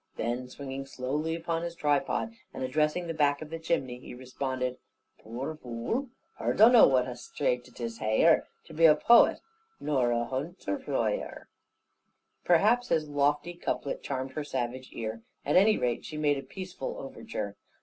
Then swinging slowly on his tripod, and addressing the back of the chimney, he responded: "Poor vule! Her dunno what a saight 'tis haigher To be a Pout, nor a hunderzawyer!" Perhaps his lofty couplet charmed her savage ear; at any rate she made a peaceful overture.